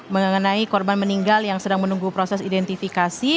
mengenai korban meninggal yang sedang menunggu proses identifikasi